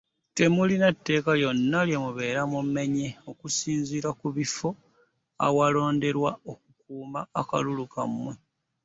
Temulina tteeka lyonna lye mubeera mumenye okusigala ku bifo awalonderwa okukuuma akalulu kammwe.